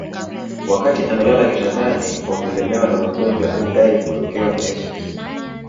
wakati amelala kitandani kwa kulemewa na ugonjwa alidai kutokewa na Yesu Kristo